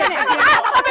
enggak enggak enggak enggak